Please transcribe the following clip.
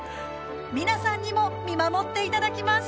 皆さんにも見守っていただきます。